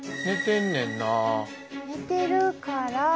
寝てるから。